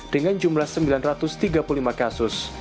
dengan jumlah sembilan ratus tiga puluh lima kasus